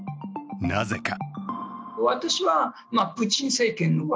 なぜか？